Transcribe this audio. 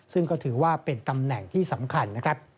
ซึ่งก็ถือว่าเป็นตำแหน่งที่สำคัญนะครับ